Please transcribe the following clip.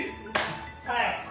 はい。